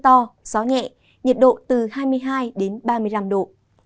trời nắng có mưa to gió nhẹ nhiệt độ từ hai mươi hai ba mươi năm độ